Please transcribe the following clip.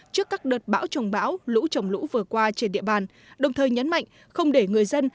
trước các đợt bão trồng bão lũ trồng lũ vừa qua trên địa bàn đồng thời nhấn mạnh không để người dân